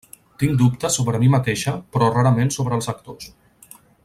Tinc dubtes sobre mi mateixa però rarament sobre els actors.